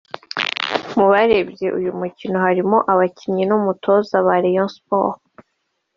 Mu barebye uyu mukino harimo abakinnyi n’umutoza ba Rayon Sports